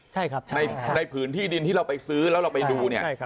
ใช่ครับในพื้นที่ดินที่เราไปซื้อแล้วเราไปดูเนี่ย